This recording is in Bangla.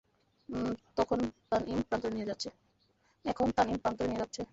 এখন তানঈম প্রান্তরে নিয়ে যাচ্ছে।